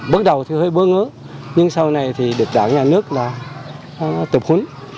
bước đầu thì hơi bơ ngớ nhưng sau này thì được đảng nhà nước là tập huấn